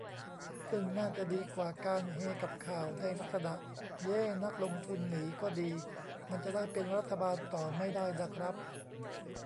ซึ่งน่าจะดีกว่าการ เฮกับข่าว ในลักษณะ เย้ นักลงทุนหนีก็ดี มันจะได้เป็นรัฐบาลต่อไม่ได้น่ะครับ